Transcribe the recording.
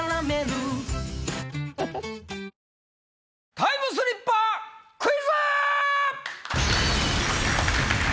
タイムスリッパークイズ！